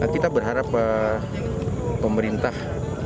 kita berharap pemerintah